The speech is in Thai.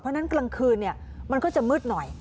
เพราะฉะนั้นกลางคืนมันก็จะมืดหน่อย